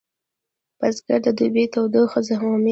بزګر د دوبي تودوخه زغمي